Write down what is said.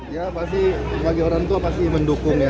ya pasti bagi orang tua pasti mendukung ya